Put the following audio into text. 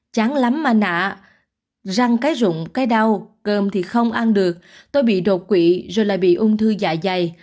trắng lắm ma nạ răng cái rụng cái đau cơm thì không ăn được tôi bị đột quỵ rồi lại bị ung thư dạ dày